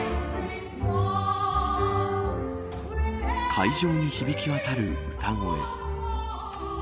会場に響き渡る歌声。